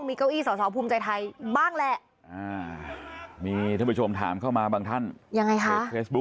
ไม่พ่อแม่พี่น้องแต่ตอนที่เรายังมีชีวิตอยู่